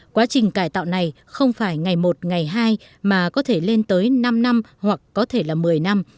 quá trình cải tạo này không phải ngày một ngày hai mà có thể lên tới năm năm hoặc có thể là một mươi năm